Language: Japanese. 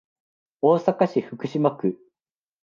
大阪市福島区